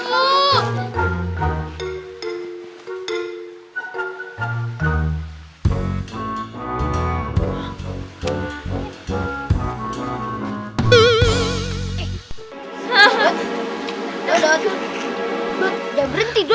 jangan berhenti dut